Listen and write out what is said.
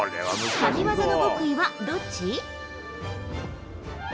神技の極意はどっち？